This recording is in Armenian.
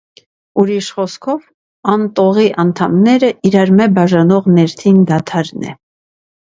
Ուրիշ խօսքով՝ ան տողի անդամները իրարմէ բաժնող ներքին դադարն է։